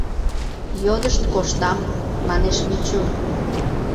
— Йодышт коштам, — манеш Мичу.